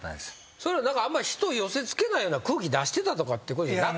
それはあんま人寄せ付けないような空気出してたとかってことじゃなく？